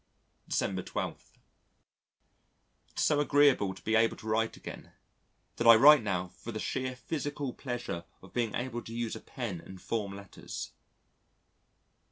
December 12. It is so agreeable to be able to write again that I write now for the sheer physical pleasure of being able to use a pen and form letters.